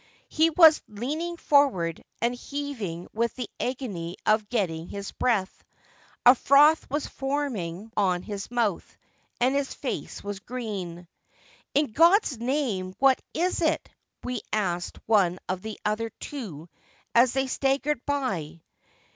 He was leaning forward and heaving with the agony of getting his breath. A froth was forming on his mouth, and his face was green. " In God's name what is it ?" we asked one of the other two as they staggered by.